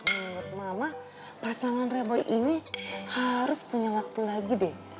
menurut mama pasangan revoy ini harus punya waktu lagi deh